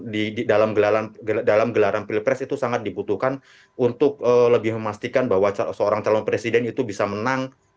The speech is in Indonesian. di dalam gelaran pilpres itu sangat dibutuhkan untuk lebih memastikan bahwa seorang calon presiden itu bisa menang